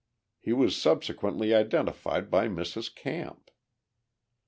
He was subsequently identified by Mrs. Camp.